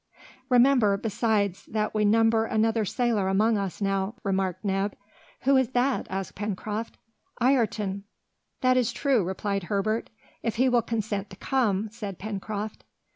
"Remember, besides, that we number another sailor amongst us now," remarked Neb. "Who is that?" asked Pencroft. "Ayrton." "That is true," replied Herbert. "If he will consent to come," said Pencroft.